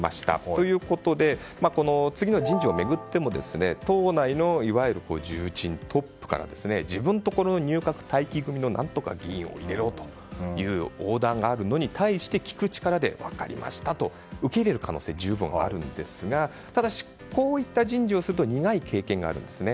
ということで次の人事を巡っても党内のいわゆる重鎮、トップから自分のところの入閣待機組の何とか議員を入れろというオーダーがあるのに対して聞く力で分かりましたと受け入れる可能性が十分にあるんですがただしこういった人事をすると苦い経験があるんですね。